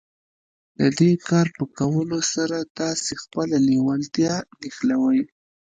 د دې کار په کولو سره تاسې خپله لېوالتیا سره نښلوئ.